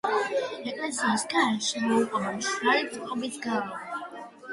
ეკლესიას გარს შემოუყვება მშრალი წყობის გალავანი.